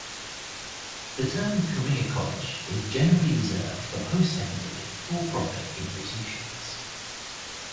The term "career college" is generally reserved for post-secondary for-profit institutions.